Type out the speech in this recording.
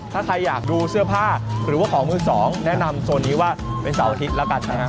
ถ้าใครอยากดูเสื้อผ้าหรือว่าของมือสองแนะนำโซนนี้ว่าเป็นเสาร์อาทิตย์แล้วกันนะครับ